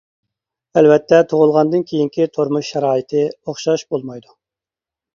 ئەلۋەتتە تۇغۇلغاندىن كېيىنكى تۇرمۇش شارائىتى ئوخشاش بولمايدۇ.